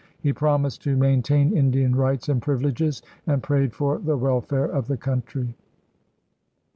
He promised to maintain Indian rights and privileges, and prayed for the welfare of the country.